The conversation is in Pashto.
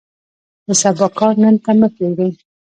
د سبا کار نن ته مه پرېږدئ.